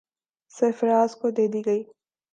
سرفراز کو دے دی گئی۔